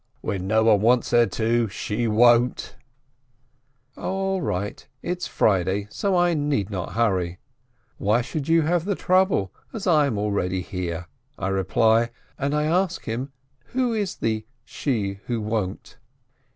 When one wants her to, she won't !" "All right, it's Friday, so I need not hurry. Why should you have the trouble, as I am already here?" I reply, and ask him who is the "she who won't."